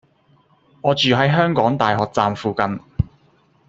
我住喺香港大學站附近